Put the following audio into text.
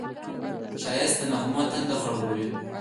ښایست د نغمو تنده خړوبوي